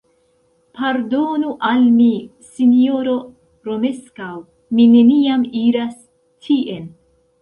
Pardonu al mi, sinjoro Romeskaŭ; mi neniam iras tien.